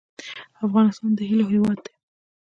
افغانستان د هیلو هیواد دی